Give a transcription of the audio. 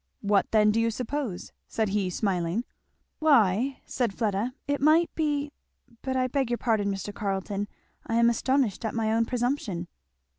"What then do you suppose?" said he smiling. "Why," said Fleda, "it might be but I beg your pardon, Mr. Carleton! I am astonished at my own presumption."